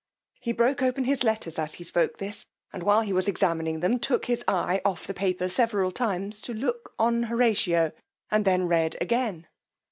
He broke open his letters as he spoke this; and while he was examining them, took his eye off the paper several times to look on Horatio, and then read again.